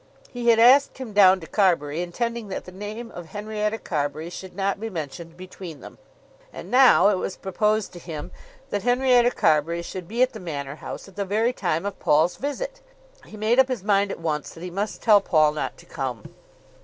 He had asked him down to Carbury intending that the name of Henrietta Carbury should not be mentioned between them; and now it was proposed to him that Henrietta Carbury should be at the Manor House at the very time of Paul's visit! He made up his mind at once that he must tell Paul not to come.